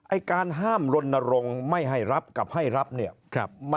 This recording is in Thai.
ไอ้การห้ามลนรงค์ไม่ให้รับกับให้รับเนี่ย